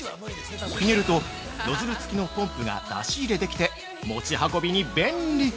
ひねるとノズル付きのポンプが出し入れできて持ち運びに便利！